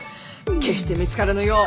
決して見つからぬよう。